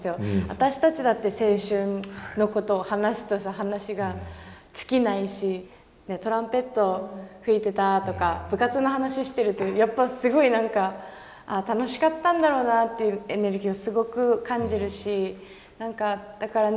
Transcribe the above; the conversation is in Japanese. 私たちだって青春のことを話すと話が尽きないしトランペット吹いてたとか部活の話してるとやっぱすごい何かあ楽しかったんだろうなっていうエネルギーをすごく感じるし何かだからね